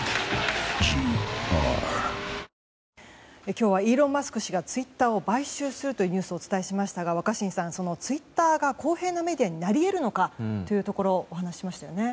今日はイーロン・マスク氏がツイッターを買収するというニュースをお伝えしましたが若新さん、そのツイッターが公平なメディアになり得るのかというところお話ししましたよね。